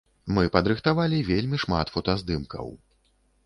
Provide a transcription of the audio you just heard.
Мы падрыхтавалі вельмі шмат фотаздымкаў.